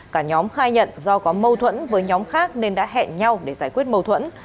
cả nhóm khai nhận do có mâu thuẫn với nhóm khác nên đã hẹn nhau để giải quyết mâu thuẫn